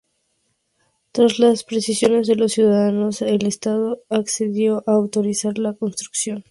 Tras las presiones de los ciudadanos el estado accedió a autorizar la construcción.